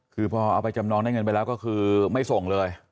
คือพอเอาไปจำนองได้เงินไปแล้วก็คือไม่ส่งเลย